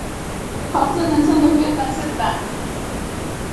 حافظه د انسان د هویت بنسټ ده.